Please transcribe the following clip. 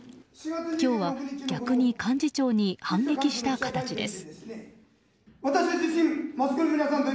今日は逆に幹事長に反撃した形です。